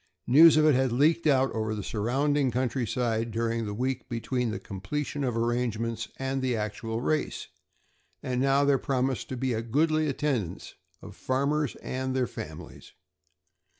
News of it had leaked out over the surrounding countryside during the week between the completion of arrangements and the actual race, and now there promised to be a goodly attendance of farmers and their families.